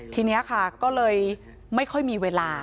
ทีนี้ค่ะก็เลยไม่ค่อยมีเวลา